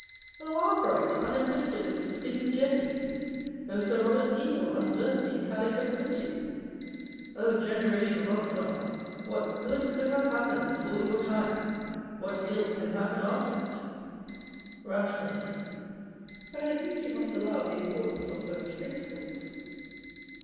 Oh! Arkwright, unac quainted with spinning jennies ! Oh ! Sir Robert Peel, unversed in calico printing ! Oh ! generation of upstarts, what good could have happened before your time ? What ill can happen after it? Rationalist. But at least you must allow the import ance of first principles